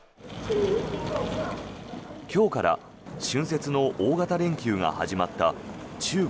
今日から春節の大型連休が始まった中国。